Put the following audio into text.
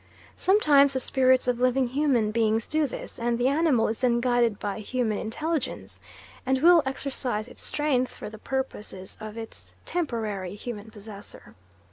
Sometimes the spirits of living human beings do this, and the animal is then guided by human intelligence, and will exercise its strength for the purposes of its temporary human possessor.